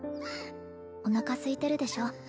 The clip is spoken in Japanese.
おなかすいてるでしょ